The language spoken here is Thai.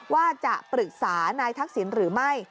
ว่าจะปรึกษานายทักษิณหรือไม่